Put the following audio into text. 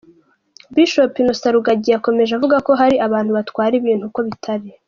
Bishop Innocent Rugagi yakomeje avuga ko hari abantu batwara ibintu uko bitari.